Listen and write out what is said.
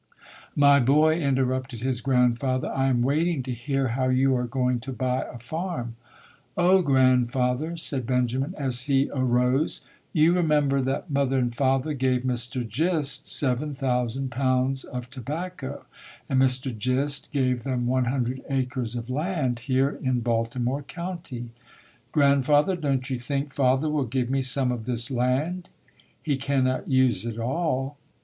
"My boy", interrupted his grandfather, "I am waiting to hear how you are going to buy a farm." "Oh, grandfather", said Benjamin as he arose, "you remember that mother and father gave Mr. Gist seven thousand pounds of tobacco and Mr. Gist gave them one hundred acres of land here in Baltimore County. Grandfather, don't you think father will give me some of this land? He cannot use it all."